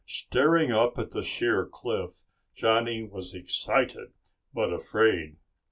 Staring up at the sheer cliff, Johnny was excited, but afraid.